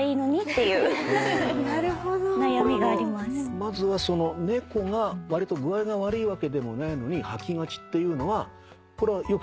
これまずは猫がわりと具合が悪いわけでもないのに吐きがちっていうのはこれはよく知られてること？